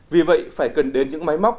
vì vậy phải cần đến những máy móc